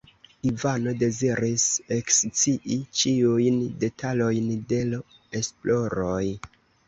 Ivano deziris ekscii ĉiujn detalojn de l' esploro.